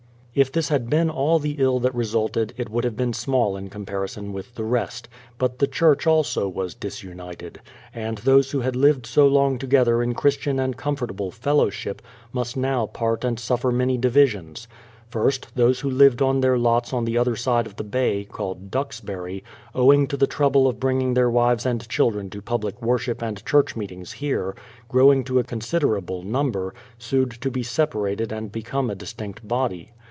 If this had been all the ill that resulted, it would have been small in comparison with the rest ; but the church also was disunited, and those who had lived so long to gether in Christian and comfortable fellowship, must now part and suffer many divisions. First, those who lived on their lots on the other side of the Bay, called Duxbury, owing to the trouble of bringing their wives and children to public worship and church meetings here, growing to a considerable number, sued to be separated and become a distinct body.